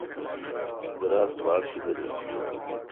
درا تہ باڑشیدل این۔